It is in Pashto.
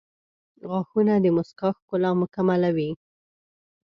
• غاښونه د مسکا ښکلا مکملوي.